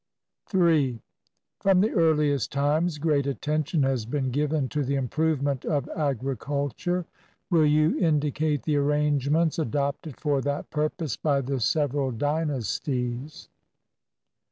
3. From the earliest times great attention has been given to the improvement of agriculture. Will you indi cate the arrangements adopted for that purpose by the several dynasties.